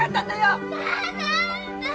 お母さん！